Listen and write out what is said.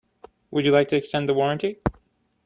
Would you like to extend the warranty?